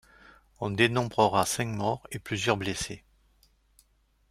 On dénombrera cinq morts et plusieurs blessés.